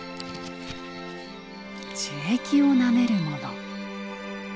樹液をなめるもの。